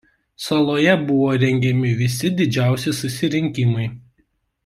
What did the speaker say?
Saloje buvo rengiami visi didžiausi susirinkimai.